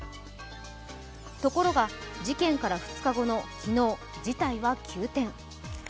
ところが、事件から２日後の昨日、事態は急転。